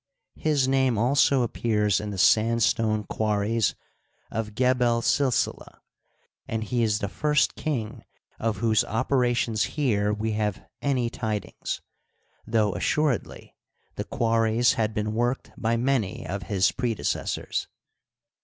His name also appears in the sandstone quarries of Gebel Silsileh, and he is the first king of whose operations here we have any tidings, thougii assuredly the quarries had been worked by many of his predecessors.